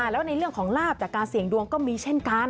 แล้วในเรื่องของลาบจากการเสี่ยงดวงก็มีเช่นกัน